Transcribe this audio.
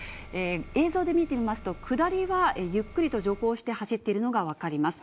映像で見てみますと、下りはゆっくりと徐行して走っているのが分かります。